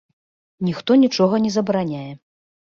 Ніхто нічога не забараняе.